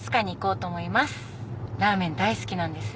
ラーメン大好きなんですよ。